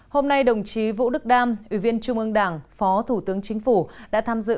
hôm nay đồng chí vũ đức đam ủy viên trung ương đảng phó thủ tướng chính phủ đã tham dự